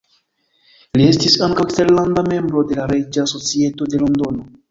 Li estis ankaŭ eskterlanda membro de la Reĝa Societo de Londono.